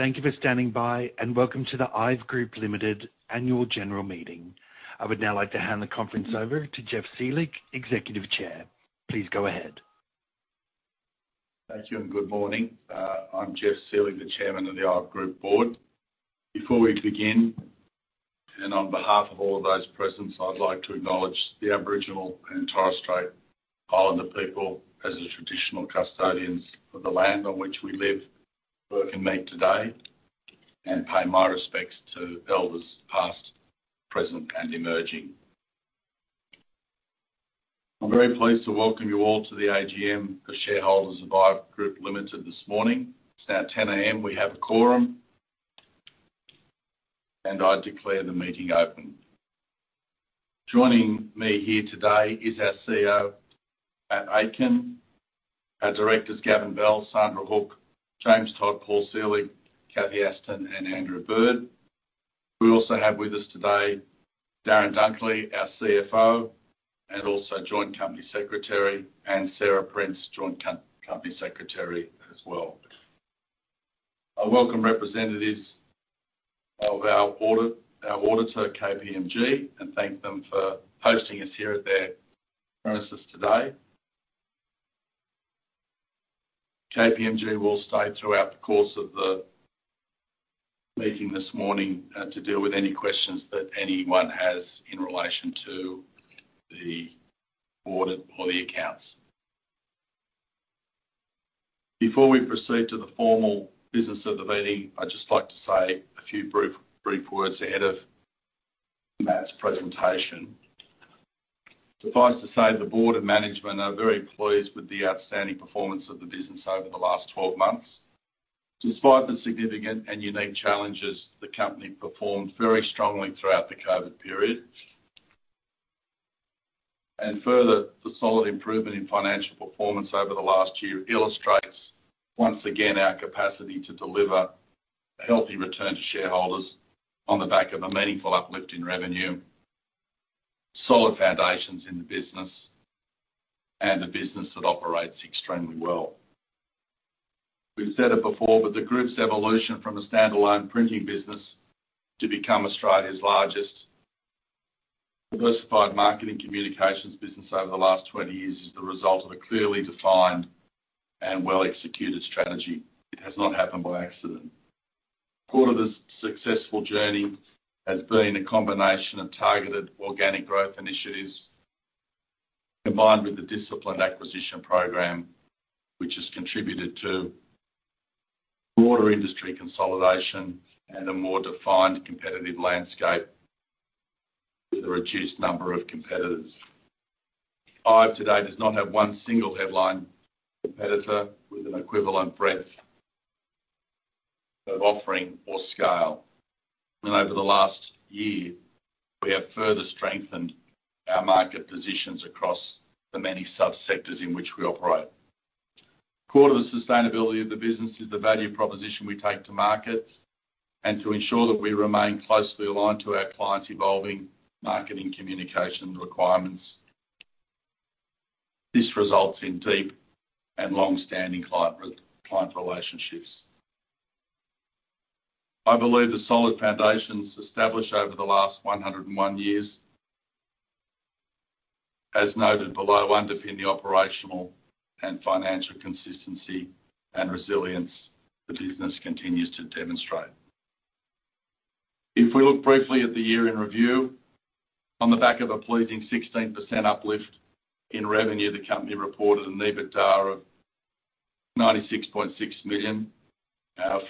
Thank you for standing by, and welcome to the IVE Group Limited Annual General Meeting. I would now like to hand the conference over to Geoff Selig, Executive Chair. Please go ahead. Thank you and good morning. I'm Geoff Selig, the Chairman of the IVE Group Board. Before we begin, and on behalf of all those present, I'd like to acknowledge the Aboriginal and Torres Strait Islander people as the traditional custodians of the land on which we live, work, and meet today, and pay my respects to elders, past, present, and emerging. I'm very pleased to welcome you all to the AGM for shareholders of IVE Group Limited this morning. It's now 10:00 A.M., we have a quorum, and I declare the meeting open. Joining me here today is our CEO, Matt Aitken. Our Directors, Gavin Bell, Sandra Hook, James Todd, Paul Selig, Cathy Aston, and Andrew Bird. We also have with us today Darren Dunkley, our CFO, and also joint Company Secretary, and Sarah Prince, joint Company Secretary as well. I welcome representatives of our audit, our auditor, KPMG, and thank them for hosting us here at their premises today. KPMG will stay throughout the course of the meeting this morning, to deal with any questions that anyone has in relation to the audit or the accounts. Before we proceed to the formal business of the meeting, I'd just like to say a few brief words ahead of Matt's presentation. Suffice to say, the board of management are very pleased with the outstanding performance of the business over the last 12 months. Despite the significant and unique challenges, the company performed very strongly throughout the COVID period. Further, the solid improvement in financial performance over the last year illustrates once again our capacity to deliver a healthy return to shareholders on the back of a meaningful uplift in revenue, solid foundations in the business, and a business that operates extremely well. We've said it before, the group's evolution from a standalone printing business to become Australia's largest diversified marketing communications business over the last 20 years is the result of a clearly defined and well-executed strategy. It has not happened by accident. Core to this successful journey has been a combination of targeted organic growth initiatives, combined with a disciplined acquisition program, which has contributed to broader industry consolidation and a more defined competitive landscape with a reduced number of competitors. IVE today does not have one single headline competitor with an equivalent breadth of offering or scale. Over the last year, we have further strengthened our market positions across the many sub-sectors in which we operate. Core to the sustainability of the business is the value proposition we take to market and to ensure that we remain closely aligned to our clients' evolving marketing communications requirements. This results in deep and long-standing client relationships. I believe the solid foundations established over the last 101 years, as noted below, underpin the operational and financial consistency and resilience the business continues to demonstrate. If we look briefly at the year in review. On the back of a pleasing 16% uplift in revenue, the company reported an EBITDA of 96.6 million.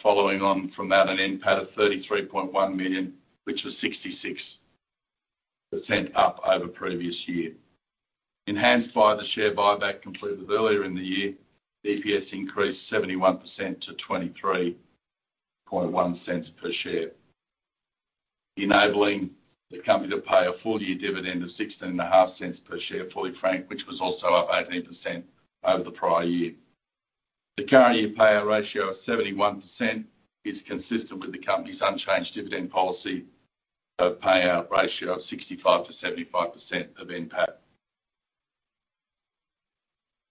Following on from that, an NPAT of 33.1 million, which was 66% up over previous year. Enhanced by the share buyback completed earlier in the year, EPS increased 71% to 0.231 per share, enabling the company to pay a full-year dividend of 0.165 per share fully franked, which was also up 18% over the prior year. The current year payout ratio of 71% is consistent with the company's unchanged dividend policy of payout ratio of 65%-75% of NPAT.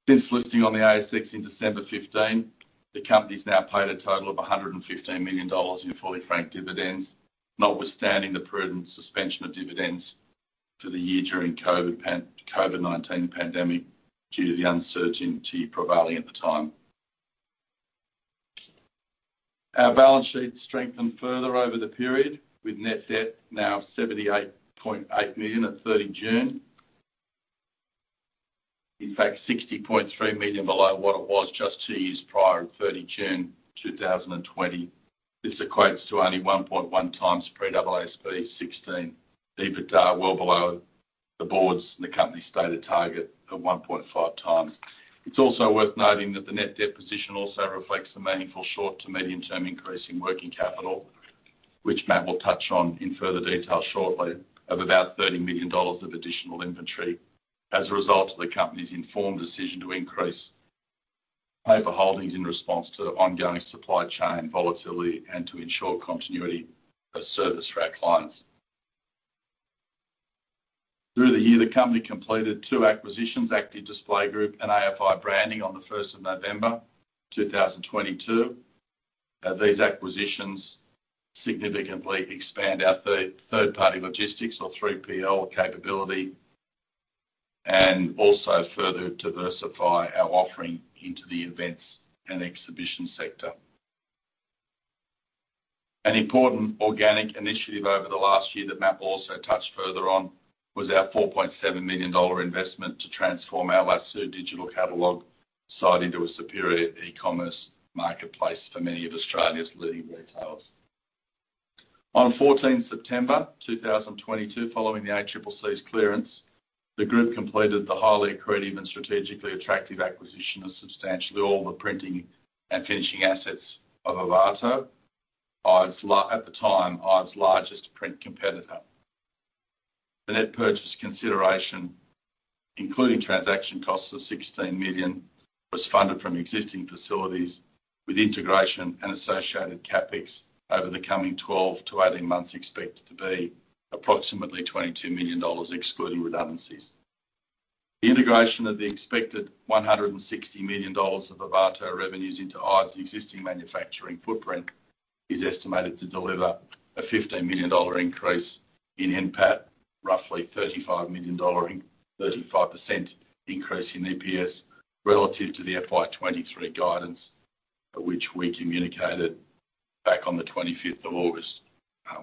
Since listing on the ASX in December 2015, the company's now paid a total of 115 million dollars in fully franked dividends, notwithstanding the prudent suspension of dividends for the year during COVID-19 pandemic due to the uncertainty prevailing at the time. Our balance sheet strengthened further over the period, with net debt now 78.8 million at 30 June 2022. In fact, 60.3 million below what it was just two years prior on 30 June 2020. This equates to only 1.1x pre-AASB 16 EBITDA, well below the board's and the company's stated target of 1.5x. It's also worth noting that the net debt position also reflects the meaningful short to medium term increase in working capital, which Matt will touch on in further detail shortly, of about 30 million dollars of additional inventory as a result of the company's informed decision to increase paper holdings in response to ongoing supply chain volatility and to ensure continuity of service for our clients. Through the year, the company completed two acquisitions, Active Display Group and AFI Branding on the 1st of November 2022. These acquisitions significantly expand our third-party logistics or 3PL capability and also further diversify our offering into the events and exhibition sector. An important organic initiative over the last year that Matt also touched further on was our 4.7 million dollar investment to transform our Lasoo digital catalog site into a superior e-commerce marketplace for many of Australia's leading retailers. On 14th September 2022, following the ACCC's clearance, the group completed the highly accretive and strategically attractive acquisition of substantially all the printing and finishing assets of Ovato. At the time, IVE's largest print competitor. The net purchase consideration, including transaction costs of 16 million, was funded from existing facilities with integration and associated CapEx over the coming 12 to 18 months, expected to be approximately 22 million dollars excluding redundancies. The integration of the expected 160 million dollars of Ovato revenues into IVE's existing manufacturing footprint is estimated to deliver a 15 million dollar increase in NPAT, roughly 35% increase in EPS relative to the FY 2023 guidance, which we communicated back on the 25th of August 2022,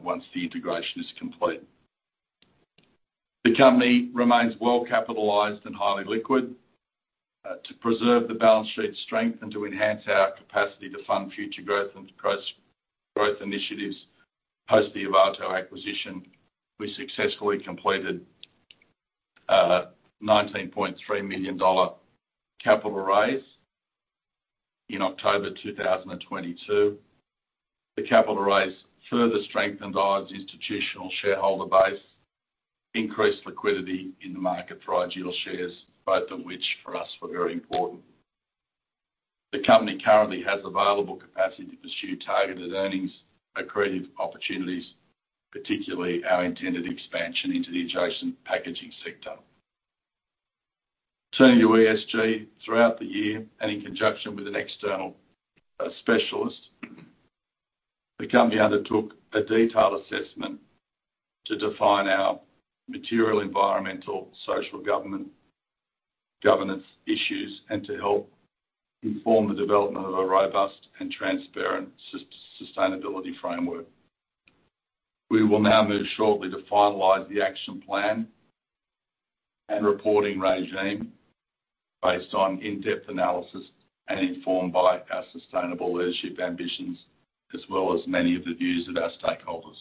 once the integration is complete. The company remains well capitalized and highly liquid to preserve the balance sheet strength and to enhance our capacity to fund future growth initiatives post the Ovato acquisition. We successfully completed a 19.3 million dollar capital raise in October 2022. The capital raise further strengthened IVE's institutional shareholder base, increased liquidity in the market for IVE shares, both of which for us were very important. The company currently has available capacity to pursue targeted earnings, accretive opportunities, particularly our intended expansion into the adjacent packaging sector. Turning to ESG, throughout the year and in conjunction with an external specialist, the company undertook a detailed assessment to define our material environmental, social governance issues and to help inform the development of a robust and transparent sustainability framework. We will now move shortly to finalize the action plan and reporting regime based on in-depth analysis and informed by our sustainable leadership ambitions as well as many of the views of our stakeholders.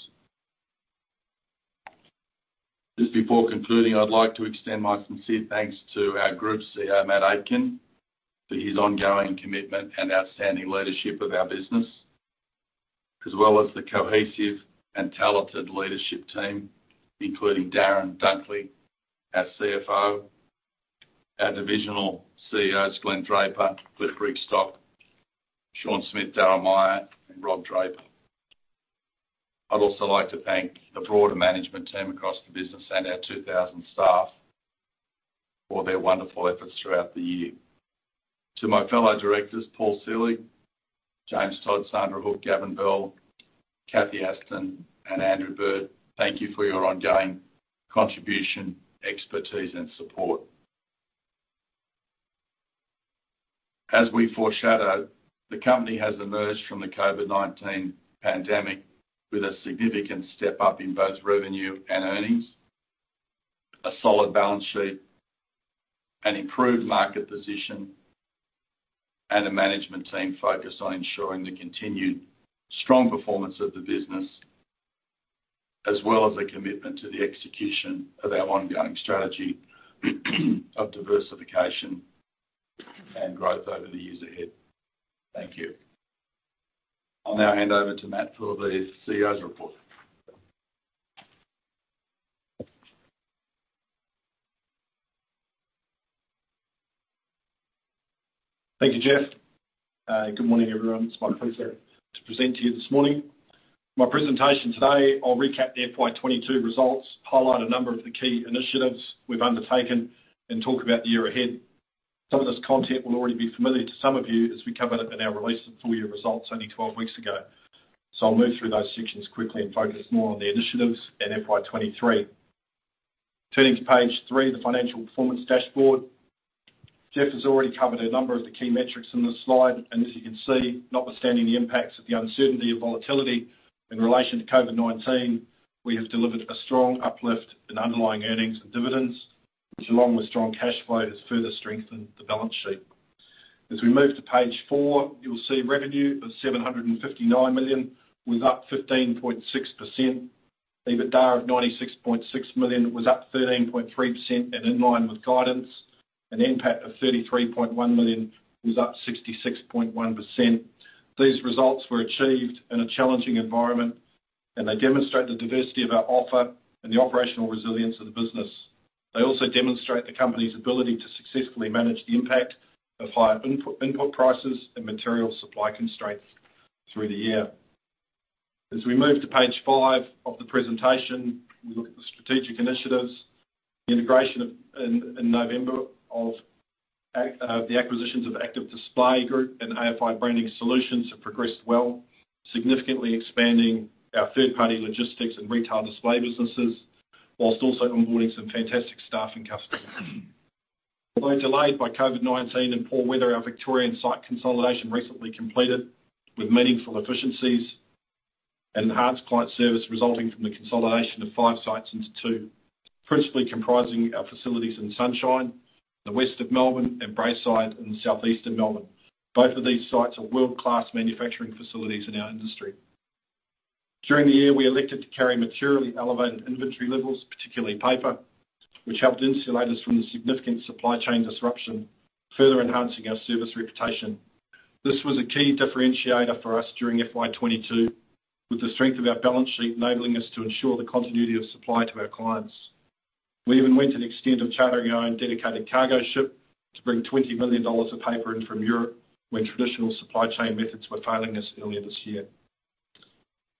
Just before concluding, I'd like to extend my sincere thanks to our Group CEO, Matt Aitken, for his ongoing commitment and outstanding leadership of our business, as well as the cohesive and talented leadership team, including Darren Dunkley, our CFO, our divisional CEOs, Glenn Draper, Cliff Brigstocke, Sean Smith, Darryl Meyer and Rob Draper. I'd also like to thank the broader management team across the business and our 2,000 staff for their wonderful efforts throughout the year. To my fellow directors, Paul Selig, James Todd, Sandra Hook, Gavin Bell, Cathy Aston and Andrew Bird, thank you for your ongoing contribution, expertise and support. As we foreshadowed, the company has emerged from the COVID-19 pandemic with a significant step up in both revenue and earnings, a solid balance sheet, an improved market position and a management team focused on ensuring the continued strong performance of the business as well as a commitment to the execution of our ongoing strategy of diversification and growth over the years ahead. Thank you. I'll now hand over to Matt for the CEO's report. Thank you, Geoff. Good morning, everyone. It's my pleasure to present to you this morning. My presentation today, I'll recap the FY 2022 results, highlight a number of the key initiatives we've undertaken and talk about the year ahead. Some of this content will already be familiar to some of you as we covered it in our release of full year results only 12 weeks ago. I'll move through those sections quickly and focus more on the initiatives at FY 2023. Turning to page three, the financial performance dashboard. Geoff has already covered a number of the key metrics in this slide. As you can see, notwithstanding the impacts of the uncertainty and volatility in relation to COVID-19, we have delivered a strong uplift in underlying earnings and dividends, which along with strong cash flow, has further strengthened the balance sheet. As we move to page four, you'll see revenue of 759 million was up 15.6%. EBITDA of 96.6 million was up 13.3% and in line with guidance. An NPAT of 33.1 million was up 66.1%. These results were achieved in a challenging environment, and they demonstrate the diversity of our offer and the operational resilience of the business. They also demonstrate the company's ability to successfully manage the impact of higher input prices and material supply constraints through the year. As we move to page five of the presentation, we look at the strategic initiatives. The integration in November 2021 of the acquisitions of Active Display Group and AFI Branding Solutions have progressed well, significantly expanding our third-party logistics and retail display businesses, whilst also onboarding some fantastic staff and customers. Although delayed by COVID-19 and poor weather, our Victorian site consolidation recently completed with meaningful efficiencies and enhanced client service resulting from the consolidation of five sites into two. Principally comprising our facilities in Sunshine, the West of Melbourne, and Braeside in the South East of Melbourne. Both of these sites are world-class manufacturing facilities in our industry. During the year, we elected to carry materially elevated inventory levels, particularly paper, which helped insulate us from the significant supply chain disruption, further enhancing our service reputation. This was a key differentiator for us during FY 2022, with the strength of our balance sheet enabling us to ensure the continuity of supply to our clients. We even went to the extent of chartering our own dedicated cargo ship to bring 20 million dollars of paper in from Europe when traditional supply chain methods were failing us earlier this year.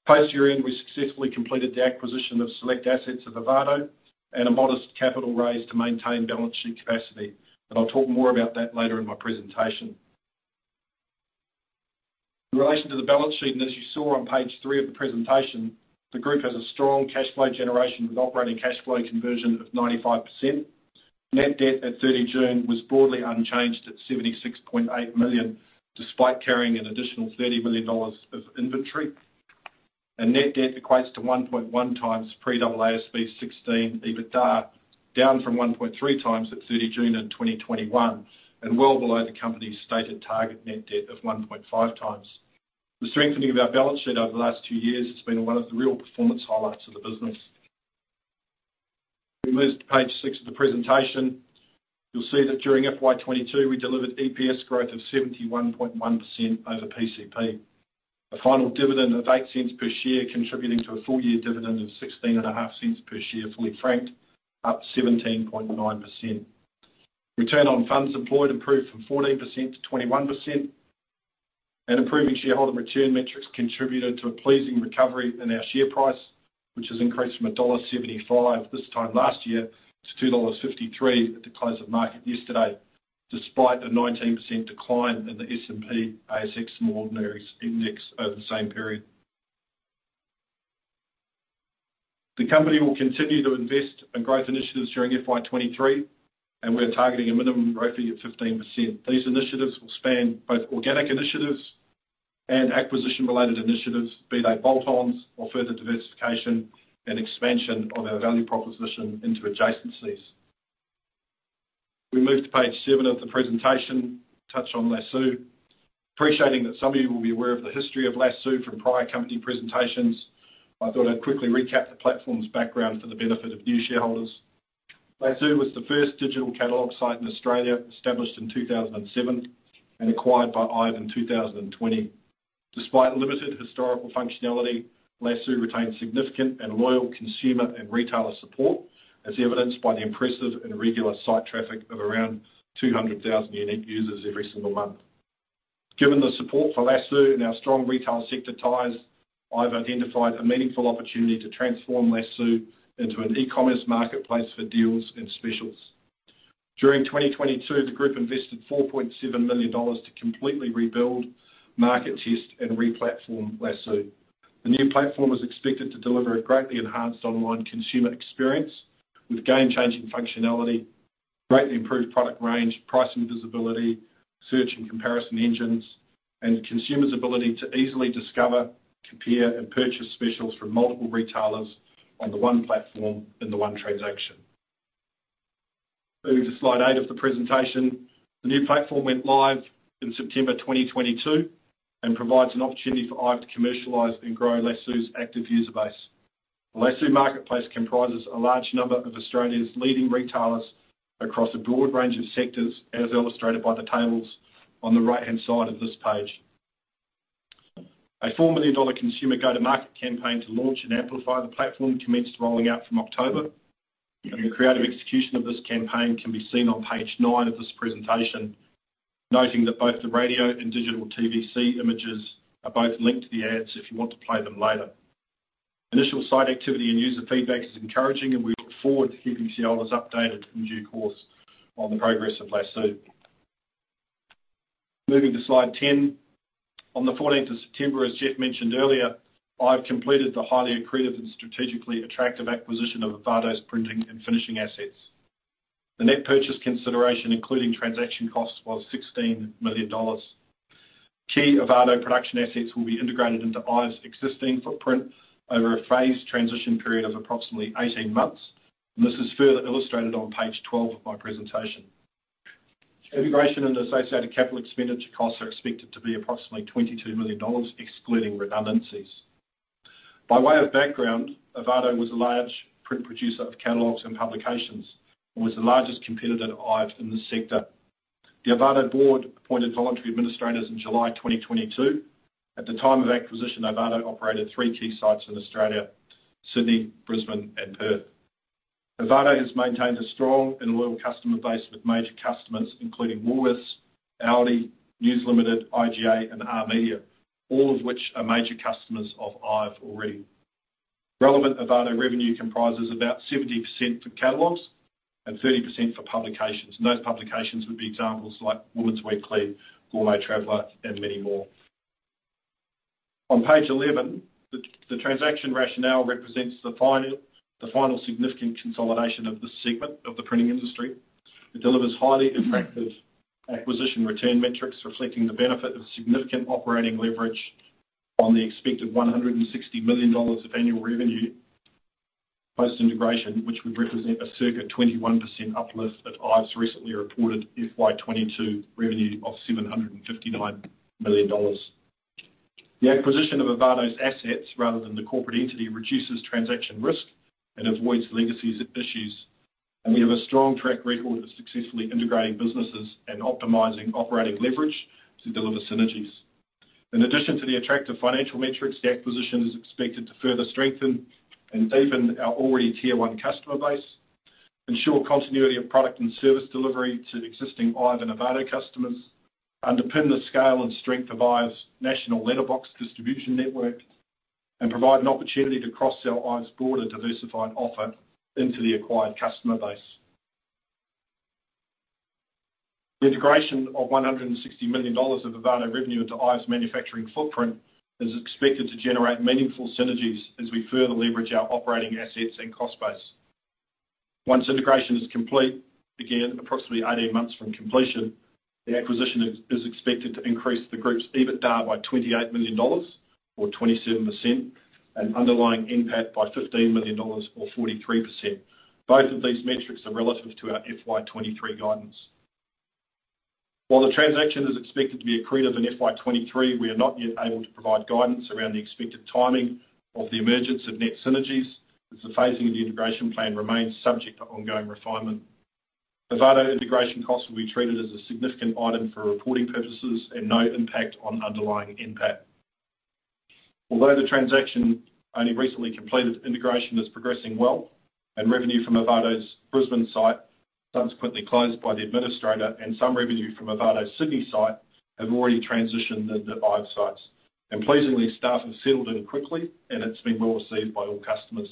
Post-year end, we successfully completed the acquisition of select assets of Ovato and a modest capital raise to maintain balance sheet capacity. I'll talk more about that later in my presentation. As you saw on page three of the presentation, the group has a strong cash flow generation with operating cash flow conversion of 95%. Net debt at 30 June 2022 was broadly unchanged at 76.8 million, despite carrying an additional 30 million dollars of inventory. Net debt equates to 1.1x pre-AASB 16 EBITDA, down from 1.3x at 30 June 2021, and well below the company's stated target net debt of 1.5x. The strengthening of our balance sheet over the last two years has been one of the real performance highlights of the business. If we move to page six of the presentation, you'll see that during FY 2022, we delivered EPS growth of 71.1% over PCP. A final dividend of 0.08 per share contributing to a full year dividend of 0.165 per share, fully franked, up 17.9%. Return on funds employed improved from 14%-21%. Improving shareholder return metrics contributed to a pleasing recovery in our share price, which has increased from dollar 1.75 this time last year to 2.53 dollars at the close of market yesterday, despite a 19% decline in the S&P/ASX Small Ordinaries Index over the same period. The company will continue to invest in growth initiatives during FY 2023, and we're targeting a minimum ROFE of 15%. These initiatives will span both organic initiatives and acquisition-related initiatives, be they bolt-ons or further diversification and expansion of our value proposition into adjacencies. If we move to page seven of the presentation, touch on Lasoo. Appreciating that some of you will be aware of the history of Lasoo from prior company presentations, I thought I'd quickly recap the platform's background for the benefit of new shareholders. Lasoo was the first digital catalog site in Australia, established in 2007 and acquired by IVE Group in 2020. Despite limited historical functionality, Lasoo retains significant and loyal consumer and retailer support, as evidenced by the impressive and regular site traffic of around 200,000 unique users every single month. Given the support for Lasoo and our strong retail sector ties, IVE Group identified a meaningful opportunity to transform Lasoo into an e-commerce marketplace for deals and specials. During 2022, the group invested 4.7 million dollars to completely rebuild, market test, and re-platform Lasoo. The new platform is expected to deliver a greatly enhanced online consumer experience with game-changing functionality, greatly improved product range, pricing visibility, search and comparison engines, and consumers' ability to easily discover, compare, and purchase specials from multiple retailers on the one platform in the one transaction. Moving to slide eight of the presentation. The new platform went live in September 2022 and provides an opportunity for IVE to commercialize and grow Lasoo's active user base. The Lasoo marketplace comprises a large number of Australia's leading retailers across a broad range of sectors, as illustrated by the tables on the right-hand side of this page. A 4 million dollar consumer go-to-market campaign to launch and amplify the platform commenced rolling out from October 2022. The creative execution of this campaign can be seen on page nine of this presentation. Noting that both the radio and digital TVC images are both linked to the ads if you want to play them later. Initial site activity and user feedback is encouraging, and we look forward to keeping shareholders updated in due course on the progress of Lasoo. Moving to slide 10. On the 14th of September 2022, as Geoff mentioned earlier, IVE completed the highly accretive and strategically attractive acquisition of Ovato's printing and finishing assets. The net purchase consideration, including transaction costs, was 16 million dollars. Key Ovato production assets will be integrated into IVE's existing footprint over a phased transition period of approximately 18 months. This is further illustrated on page 12 of my presentation. Integration and associated capital expenditure costs are expected to be approximately 22 million dollars, excluding redundancies. By way of background, Ovato was a large print producer of catalogs and publications and was the largest competitor to IVE in this sector. The Ovato board appointed voluntary administrators in July 2022. At the time of acquisition, Ovato operated three key sites in Australia, Sydney, Brisbane, and Perth. Ovato has maintained a strong and loyal customer base with major customers including Woolworths, ALDI, News Limited, IGA and Are Media, all of which are major customers of IVE already. Relevant Ovato revenue comprises about 70% for catalogs and 30% for publications, and those publications would be examples like Women's Weekly, Gourmet Traveller and many more. On page 11, the transaction rationale represents the final significant consolidation of this segment of the printing industry. It delivers highly attractive acquisition return metrics, reflecting the benefit of significant operating leverage on the expected 160 million dollars of annual revenue post-integration, which would represent a circa 21% uplift that IVE's recently reported FY 2022 revenue of 759 million dollars. The acquisition of Ovato's assets rather than the corporate entity reduces transaction risk and avoids legacy issues. We have a strong track record of successfully integrating businesses and optimizing operating leverage to deliver synergies. In addition to the attractive financial metrics, the acquisition is expected to further strengthen and deepen our already tier one customer base, ensure continuity of product and service delivery to existing IVE and Ovato customers, underpin the scale and strength of IVE's national letterbox distribution network, and provide an opportunity to cross-sell IVE's broader diversified offer into the acquired customer base. The integration of 160 million dollars of Ovato revenue into IVE's manufacturing footprint is expected to generate meaningful synergies as we further leverage our operating assets and cost base. Once integration is complete, again, approximately 18 months from completion, the acquisition is expected to increase the group's EBITDA by 28 million dollars or 27% and underlying NPAT by 15 million dollars or 43%. Both of these metrics are relative to our FY 2023 guidance. While the transaction is expected to be accretive in FY 2023, we are not yet able to provide guidance around the expected timing of the emergence of net synergies, as the phasing of the integration plan remains subject to ongoing refinement. Ovato integration costs will be treated as a significant item for reporting purposes and no impact on underlying NPAT. Although the transaction only recently completed, integration is progressing well, revenue from Ovato's Brisbane site, subsequently closed by the administrator and some revenue from Ovato's Sydney site have already transitioned into IVE's sites. Pleasingly, staff have settled in quickly and it's been well received by all customers.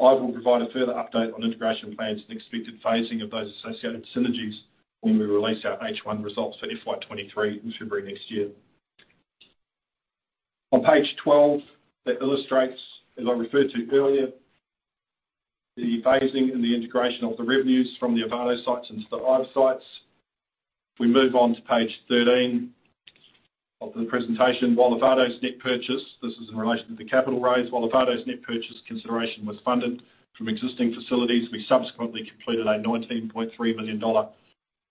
IVE will provide a further update on integration plans and expected phasing of those associated synergies when we release our H1 results for FY 2023 in February next year. On page 12, that illustrates, as I referred to earlier, the phasing and the integration of the revenues from the Ovato sites into the IVE's sites. We move on to page 13 of the presentation. This is in relation to the capital raise, while Ovato's net purchase consideration was funded from existing facilities, we subsequently completed an 19.3 million dollar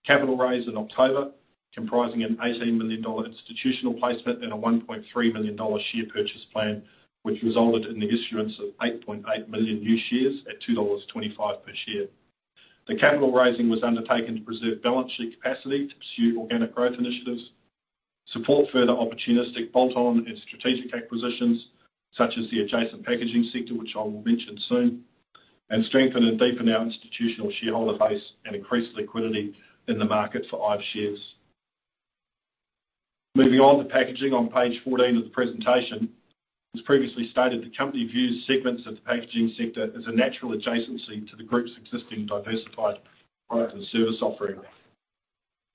capital raise in October, comprising an 18 million dollar institutional placement and an 1.3 million dollar share purchase plan, which resulted in the issuance of 8.8 million new shares at 2.25 dollars per share. The capital raising was undertaken to preserve balance sheet capacity to pursue organic growth initiatives, support further opportunistic bolt-on and strategic acquisitions such as the adjacent packaging sector, which I will mention soon, and strengthen and deepen our institutional shareholder base and increase liquidity in the market for IVE shares. Moving on to packaging on page 14 of the presentation. As previously stated, the company views segments of the packaging sector as a natural adjacency to the group's existing diversified product and service offering.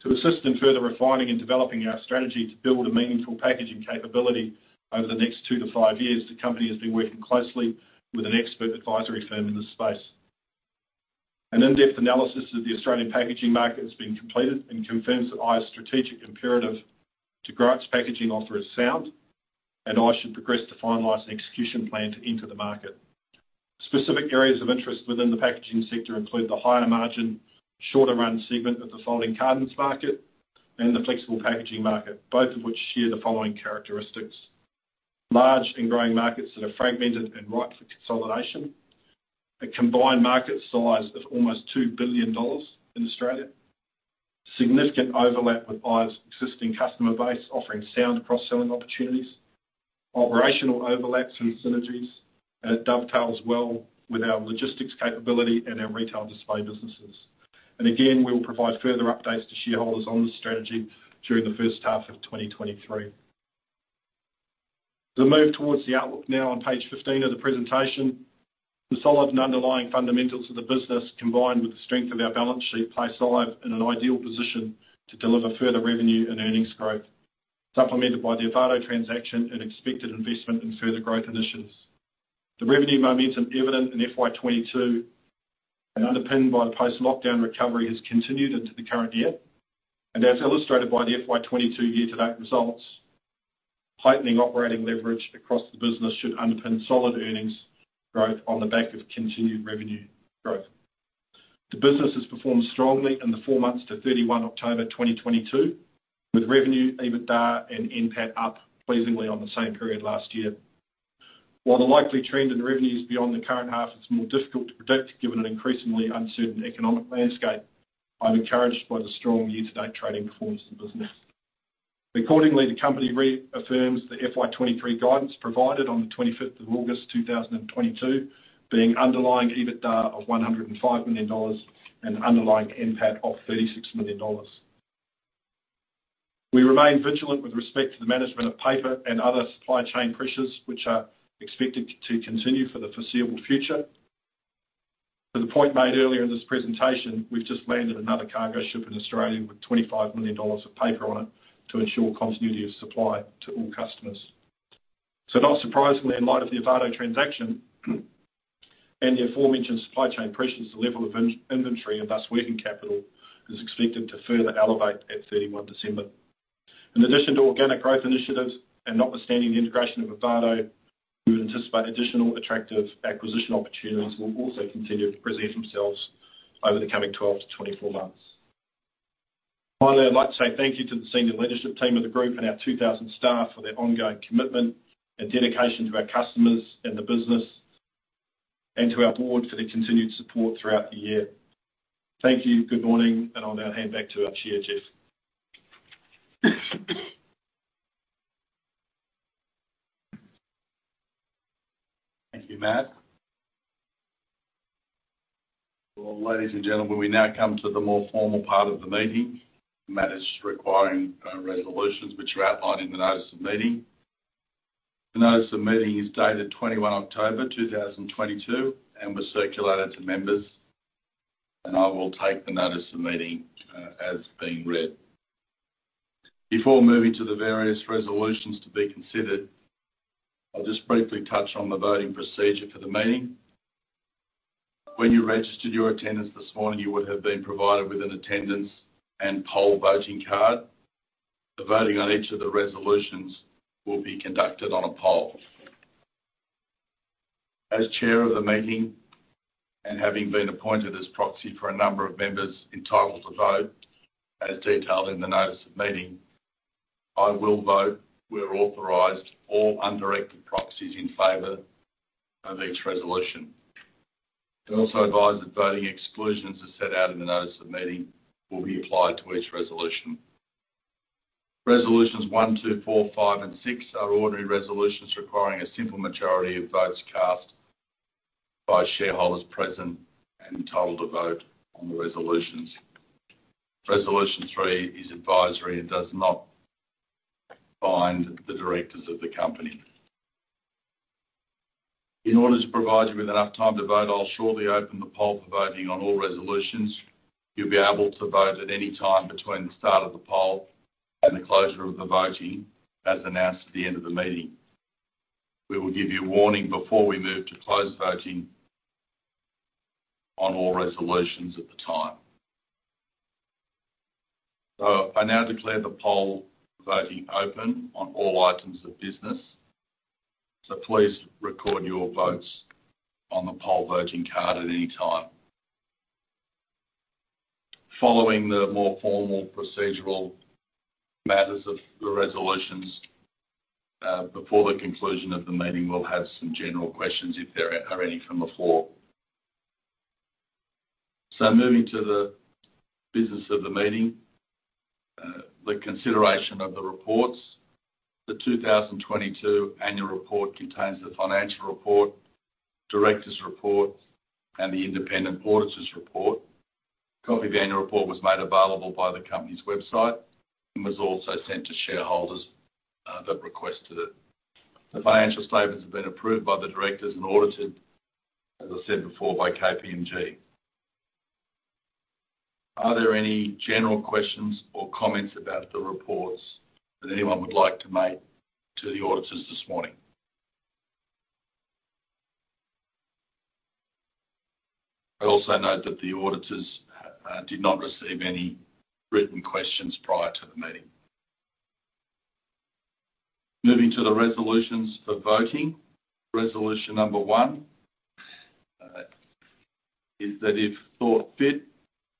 To assist in further refining and developing our strategy to build a meaningful packaging capability over the next two to five years, the company has been working closely with an expert advisory firm in this space. An in-depth analysis of the Australian packaging market has been completed and confirms that IVE's strategic imperative to grow its packaging offer is sound, and IVE should progress to finalize an execution plan to enter the market. Specific areas of interest within the packaging sector include the higher margin, shorter run segment of the folding cartons market and the flexible packaging market, both of which share the following characteristics. Large and growing markets that are fragmented and ripe for consolidation. A combined market size of almost 2 billion dollars in Australia. Significant overlap with IVE's existing customer base, offering sound cross-selling opportunities. Operational overlaps and synergies. It dovetails well with our logistics capability and our retail display businesses. Again, we will provide further updates to shareholders on this strategy during the first half of 2023. As I move towards the outlook now on page 15 of the presentation. The solid and underlying fundamentals of the business, combined with the strength of our balance sheet, place IVE in an ideal position to deliver further revenue and earnings growth, supplemented by the Ovato transaction and expected investment in further growth initiatives. The revenue momentum evident in FY 2022 and underpinned by the post-lockdown recovery has continued into the current year. As illustrated by the FY 2022 year-to-date results, heightening operating leverage across the business should underpin solid earnings growth on the back of continued revenue growth. The business has performed strongly in the four months to 31 October 31 2022, with revenue, EBITDA and NPAT up pleasingly on the same period last year. While the likely trend in revenue is beyond the current half, it's more difficult to predict given an increasingly uncertain economic landscape. I'm encouraged by the strong year-to-date trading performance of the business. Accordingly, the company reaffirms the FY 2023 guidance provided on 25th of August 2022, being underlying EBITDA of 105 million dollars and underlying NPAT of 36 million dollars. We remain vigilant with respect to the management of paper and other supply chain pressures, which are expected to continue for the foreseeable future. To the point made earlier in this presentation, we've just landed another cargo ship in Australia with 25 million dollars of paper on it to ensure continuity of supply to all customers. Not surprisingly, in light of the Ovato transaction and the aforementioned supply chain pressures, the level of in-inventory and thus working capital is expected to further elevate at 31 December 2022. In addition to organic growth initiatives and not withstanding the integration of Ovato, we anticipate additional attractive acquisition opportunities will also continue to present themselves over the coming 12 to 24 months. Finally, I'd like to say thank you to the senior leadership team of the group and our 2,000 staff for their ongoing commitment and dedication to our customers and the business, and to our board for their continued support throughout the year. Thank you. Good morning, I'll now hand back to our chair, Geoff Selig. Thank you, Matt. Well, ladies and gentlemen, we now come to the more formal part of the meeting. Matters requiring resolutions which are outlined in the notice of meeting. The notice of meeting is dated 21 October 2022, was circulated to members, I will take the notice of meeting as being read. Before moving to the various resolutions to be considered, I'll just briefly touch on the voting procedure for the meeting. When you registered your attendance this morning, you would have been provided with an attendance and poll voting card. The voting on each of the resolutions will be conducted on a poll. As chair of the meeting, having been appointed as proxy for a number of members entitled to vote as detailed in the notice of meeting, I will vote where authorized all undirected proxies in favor of each resolution. I also advise that voting exclusions are set out in the notice of meeting will be applied to each resolution. Resolutions 1, 2, 4, 5, and 6 are ordinary resolutions requiring a simple majority of votes cast by shareholders present and entitled to vote on the resolutions. Resolution 3 is advisory and does not bind the directors of the company. In order to provide you with enough time to vote, I'll shortly open the poll for voting on all resolutions. You'll be able to vote at any time between the start of the poll and the closure of the voting, as announced at the end of the meeting. We will give you a warning before we move to closed voting on all resolutions at the time. I now declare the poll voting open on all items of business. Please record your votes on the poll voting card at any time. Following the more formal procedural matters of the resolutions, before the conclusion of the meeting, we'll have some general questions, if there are any from the floor. Moving to the business of the meeting, the consideration of the reports. The 2022 annual report contains the financial report, Directors' Report, and the independent Auditors' Report. A copy of the annual report was made available by the company's website and was also sent to shareholders that requested it. The financial statements have been approved by the directors and audited, as I said before, by KPMG. Are there any general questions or comments about the reports that anyone would like to make to the auditors this morning? I also note that the auditors did not receive any written questions prior to the meeting. Moving to the resolutions for voting. Resolution number one is that if thought fit,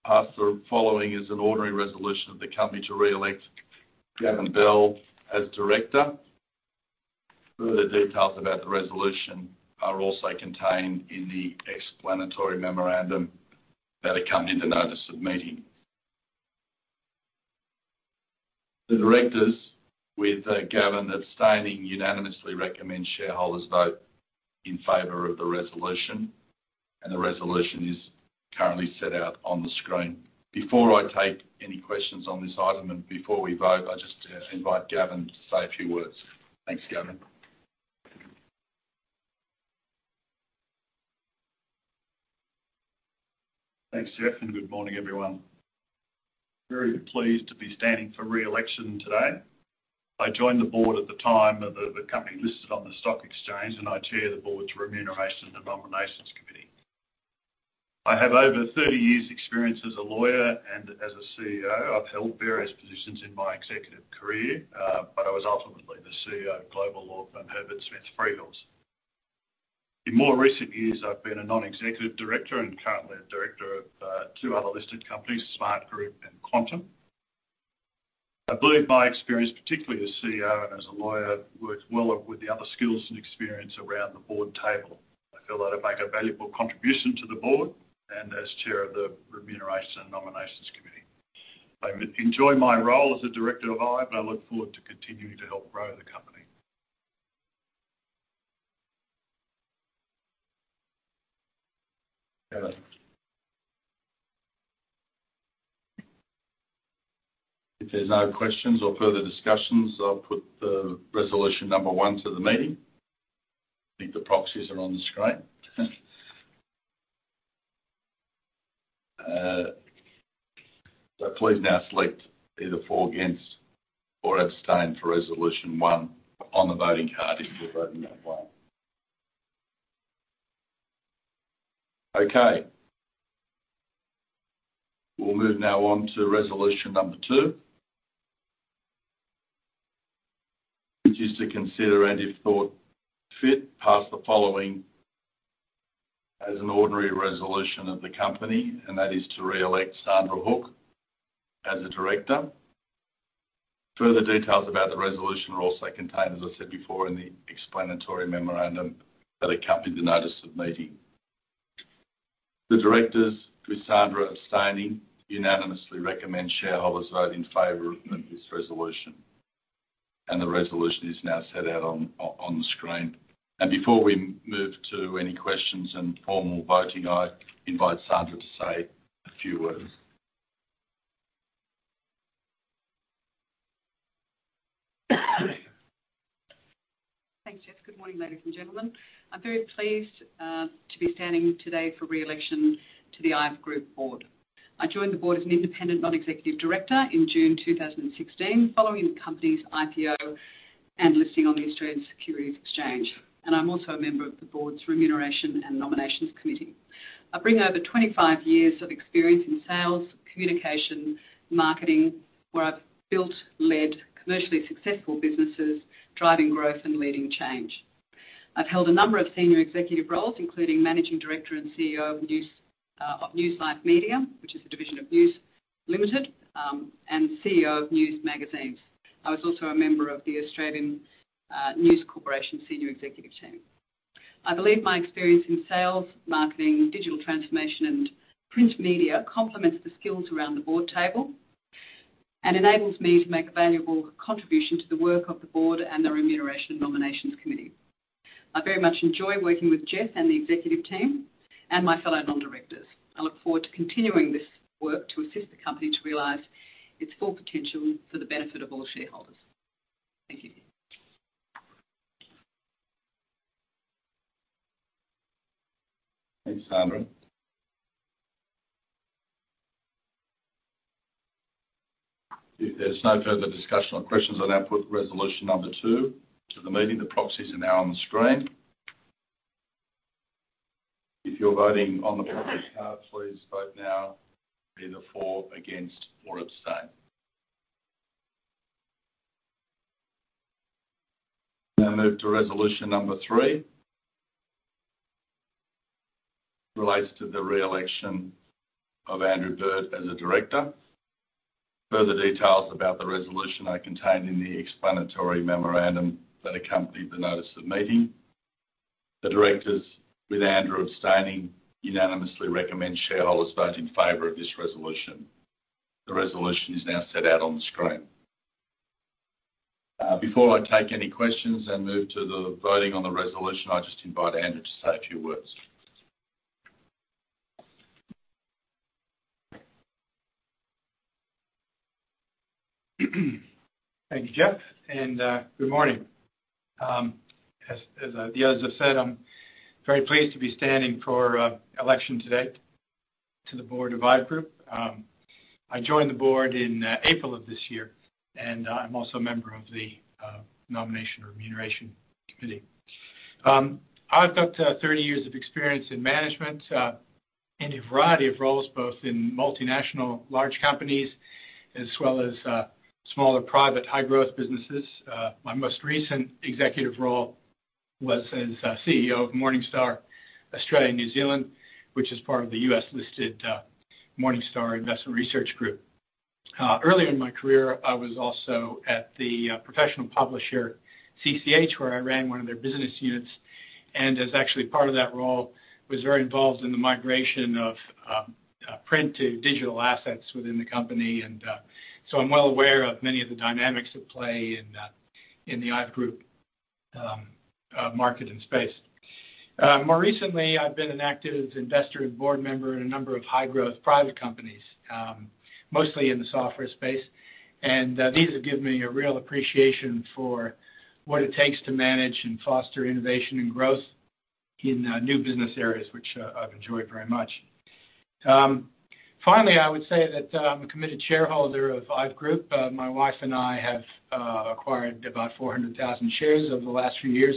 passed the following is an ordinary resolution of the company to re-elect Gavin Bell as director. Further details about the resolution are also contained in the explanatory memorandum that accompanied the notice of meeting. The directors, with Gavin abstaining unanimously recommend shareholders vote in favor of the resolution, and the resolution is currently set out on the screen. Before I take any questions on this item, and before we vote, I just invite Gavin to say a few words. Thanks, Gavin. Thanks, Geoff. Good morning, everyone. Very pleased to be standing for re-election today. I joined the board at the time of the company listed on the stock exchange, and I chair the board's Remuneration and Nominations Committee. I have over 30 years' experience as a lawyer and as a CEO. I've held various positions in my executive career, but I was ultimately the CEO of global law firm Herbert Smith Freehills. In more recent years, I've been a non-executive director and currently a director of two other listed companies, Smartgroup and QANTM. I believe my experience, particularly as CEO and as a lawyer, works well with the other skills and experience around the board table. I feel that I make a valuable contribution to the board. As Chair of the Nomination and Remuneration Committee. I enjoy my role as a director of IVE, and I look forward to continuing to help grow the company. If there's no questions or further discussions, I'll put the resolution number one to the meeting. I think the proxies are on the screen. So please now select either for, against, or abstain for resolution one on the voting card if you're voting that way. Okay. We'll move now on to resolution number two, which is to consider, and if thought fit, pass the following as an ordinary resolution of the company, and that is to re-elect Sandra Hook as a director. Further details about the resolution are also contained, as I said before, in the explanatory memorandum that accompanied the notice of meeting. The directors, with Sandra abstaining, unanimously recommend shareholders vote in favor of this resolution. The resolution is now set out on the screen. Before we move to any questions and formal voting, I invite Sandra to say a few words. Thanks, Geoff. Good morning, ladies and gentlemen. I'm very pleased to be standing today for re-election to the IVE Group Board. I joined the Board as an Independent Non-Executive Director in June 2016 following the company's IPO and listing on the Australian Securities Exchange, and I'm also a member of the Board's Nomination and Remuneration Committee. I bring over 25 years of experience in sales, communication, marketing, where I've built, led commercially successful businesses, driving growth and leading change. I've held a number of senior executive roles, including Managing Director and CEO of NewsLifeMedia, which is a division of News Limited, and CEO of News Magazines. I was also a member of the Australian News Corporation senior executive team. I believe my experience in sales, marketing, digital transformation, and print media complements the skills around the board table and enables me to make a valuable contribution to the work of the board and the Nomination and Remuneration Committee. I very much enjoy working with Geoff and the executive team and my fellow non-directors. I look forward to continuing this work to assist the company to realize its full potential for the benefit of all shareholders. Thank you. Thanks, Sandra. If there's no further discussion or questions, I'll now put resolution number 2 to the meeting. The proxies are now on the screen. If you're voting on the proxy card, please vote now either for, against, or abstain. Move to resolution number 3. Relates to the re-election of Andrew Bird as a director. Further details about the resolution are contained in the explanatory memorandum that accompanied the notice of meeting. The directors, with Andrew abstaining, unanimously recommend shareholders vote in favor of this resolution. The resolution is now set out on the screen. Before I take any questions and move to the voting on the resolution, I just invite Andrew to say a few words. Thank you, Geoff, good morning. As the others have said, I'm very pleased to be standing for election today to the board of IVE Group. I joined the board in April of this year, I'm also a member of the Nomination and Remuneration Committee. I've got 30 years of experience in management in a variety of roles, both in multinational large companies as well as smaller private high-growth businesses. My most recent executive role was as CEO of Morningstar Australia and New Zealand, which is part of the US-listed Morningstar Investment Research Group. Early in my career, I was also at the professional publisher CCH, where I ran one of their business units and as actually part of that role, was very involved in the migration of print to digital assets within the company. So I'm well aware of many of the dynamics at play in the IVE Group market and space. More recently, I've been an active investor and board member in a number of high-growth private companies, mostly in the software space. These have given me a real appreciation for what it takes to manage and foster innovation and growth in new business areas, which I've enjoyed very much. Finally, I would say that I'm a committed shareholder of IVE Group. My wife and I have acquired about 400,000 shares over the last few years,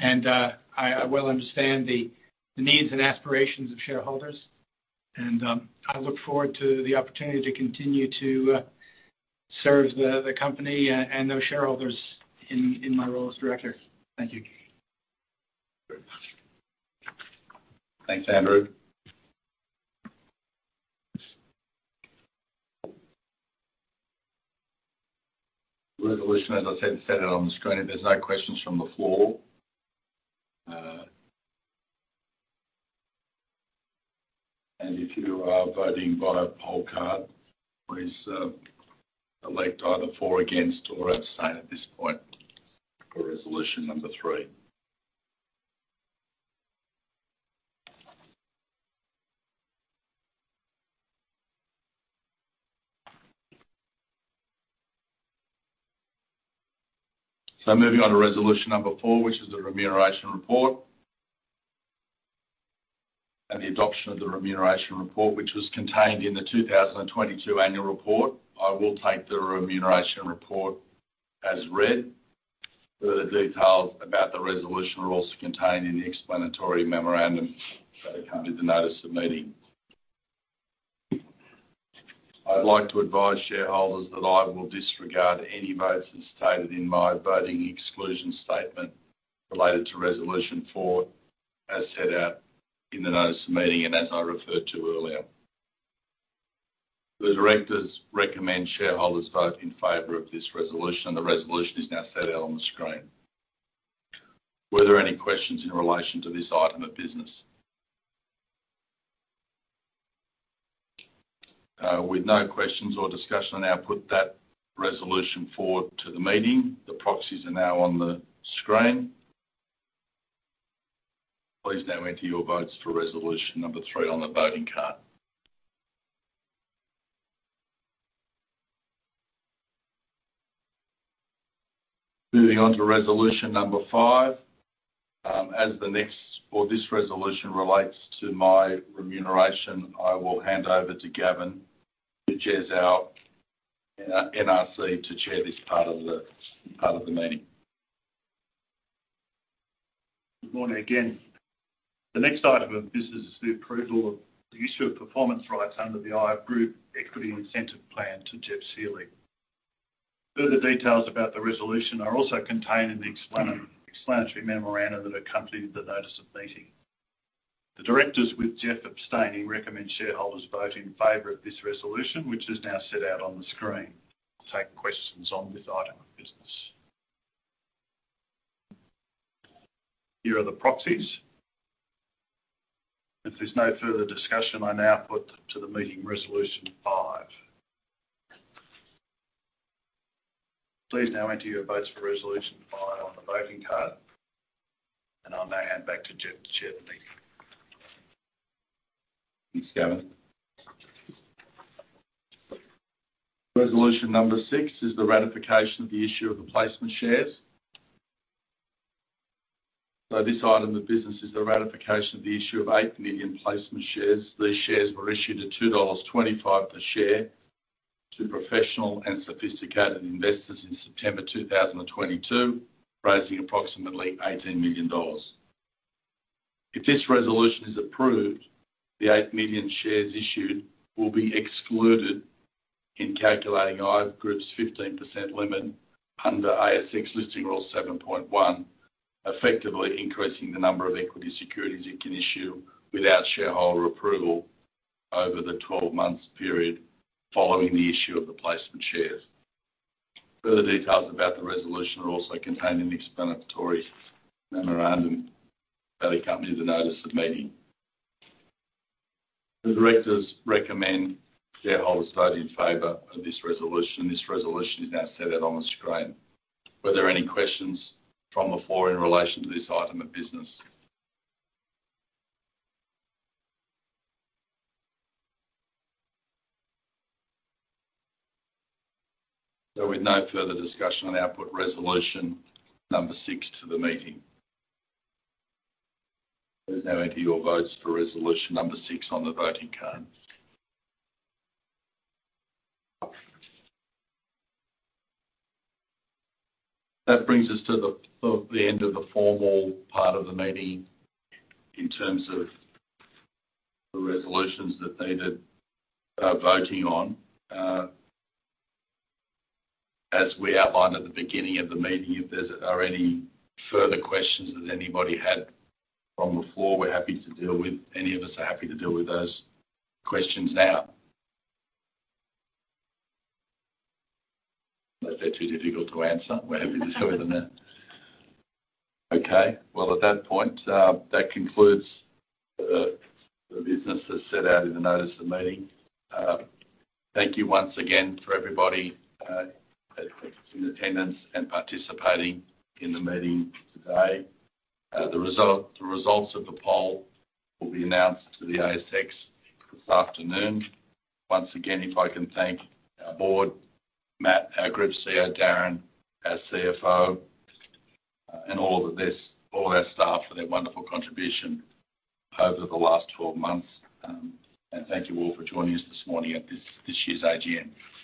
I well understand the needs and aspirations of shareholders. I look forward to the opportunity to continue to serve the company and those shareholders in my role as director. Thank you. Thanks, Andrew. Resolution, as I said, set it on the screen. If there's no questions from the floor. If you are voting via poll card, please elect either for or against or abstain at this point for resolution number 3. Moving on to resolution number 4, which is the remuneration report. The adoption of the remuneration report, which was contained in the 2022 annual report. I will take the remuneration report as read. Further details about the resolution are also contained in the explanatory memorandum that accompanied the notice of meeting. I'd like to advise shareholders that I will disregard any votes as stated in my voting exclusion statement related to resolution 4, as set out in the notice of meeting and as I referred to earlier. The directors recommend shareholders vote in favor of this resolution. The resolution is now set out on the screen. Were there any questions in relation to this item of business? With no questions or discussion, I now put that resolution forward to the meeting. The proxies are now on the screen. Please now enter your votes for resolution number 3 on the voting card. Moving on to resolution number 5. This resolution relates to my remuneration, I will hand over to Gavin, who chairs our NRC, to chair this part of the meeting. Good morning again. The next item of business is the approval of the issue of performance rights under the IVE Group Equity Incentive Plan to Geoff Selig. Further details about the resolution are also contained in the explanatory memoranda that accompanied the notice of meeting. The directors, with Geoff abstaining, recommend shareholders vote in favor of this resolution, which is now set out on the screen. I'll take questions on this item of business. Here are the proxies. If there's no further discussion, I now put to the meeting resolution five. Please now enter your votes for resolution five on the voting card, and I'll now hand back to Geoff to chair the meeting. Thanks, Gavin. Resolution number 6 is the ratification of the issue of the placement shares. This item of business is the ratification of the issue of 8 million placement shares. These shares were issued at 2.25 dollars per share to professional and sophisticated investors in September 2022, raising approximately 18 million dollars. If this resolution is approved, the 8 million shares issued will be excluded in calculating IVE Group's 15% limit under ASX Listing Rule 7.1, effectively increasing the number of equity securities it can issue without shareholder approval over the 12 months period following the issue of the placement shares. Further details about the resolution are also contained in the explanatory memorandum that accompanied the notice of meeting. The directors recommend shareholders vote in favor of this resolution. This resolution is now set out on the screen. Were there any questions from the floor in relation to this item of business? With no further discussion, I now put resolution number 6 to the meeting. Please now enter your votes for resolution number 6 on the voting card. That brings us to the end of the formal part of the meeting in terms of the resolutions that needed voting on. As we outlined at the beginning of the meeting, if there are any further questions that anybody had from the floor, we're happy to deal with. Any of us are happy to deal with those questions now. Unless they're too difficult to answer, we're happy to deal with them now. Okay. Well, at that point, that concludes the business as set out in the notice of meeting. Thank you once again for everybody in attendance and participating in the meeting today. The results of the poll will be announced to the ASX this afternoon. Once again, if I can thank our board, Matt, our group CEO, Darren, our CFO, and all our staff for their wonderful contribution over the last 12 months. Thank you all for joining us this morning at this year's AGM.